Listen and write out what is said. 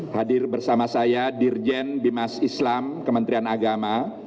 hadir bersama saya dirjen bimas islam kementerian agama